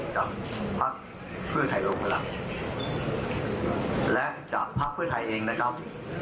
กับพักเพื่อไทยลงพลังและจากภักดิ์เพื่อไทยเองนะครับ